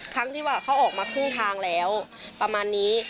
ครั้งที่ว่าเขาออกมาครึ่งทางแล้วประมาณนี้